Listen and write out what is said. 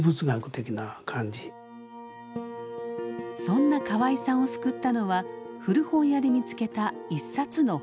そんな河合さんを救ったのは古本屋で見つけた一冊の本。